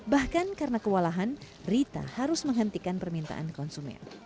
bahkan karena kewalahan rita harus menghentikan permintaan konsumen